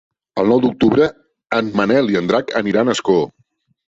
El nou d'octubre en Manel i en Drac aniran a Ascó.